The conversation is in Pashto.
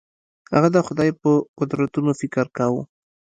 هغه د خدای په قدرتونو فکر کاوه.